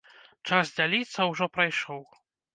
Час дзяліцца ўжо прайшоў.